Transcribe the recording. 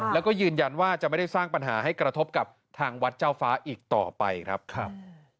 แล้วก็ยืนยันว่าจะไม่ได้สร้างปัญหาให้กระทบกับทางวัดเจ้าฟ้าอีกต่อไปครับครับ